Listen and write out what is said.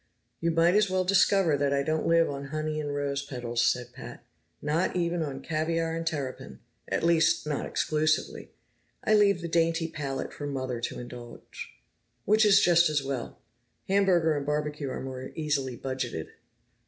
"You might as well discover that I don't live on honey and rose petals," said Pat. "Not even on caviar and terrapin at least, not exclusively. I leave the dainty palate for Mother to indulge." "Which is just as well. Hamburger and barbecue are more easily budgeted."